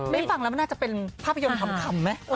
ไม่ฟังแล้วมันน่าจะเป็นภาพยนตร์ขำไหม